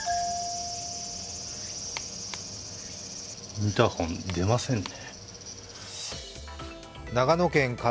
インターフォン出ませんね。